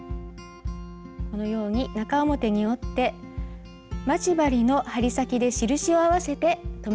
このように中表に折って待ち針の針先で印を合わせて留めてゆきます。